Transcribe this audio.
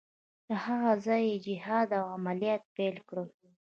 له هغه ځایه یې جهاد او عملیات پیل کړل.